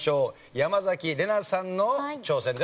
山崎怜奈さんの挑戦です。